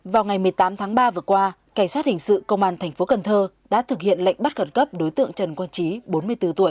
vào ngày một mươi tám tháng ba vừa qua cảnh sát hình sự công an thành phố cần thơ đã thực hiện lệnh bắt cẩn cấp đối tượng trần thương